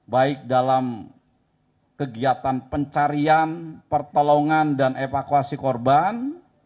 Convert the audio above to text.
baik dalam kegiatan pencarian pertolongan dan evakuasi korban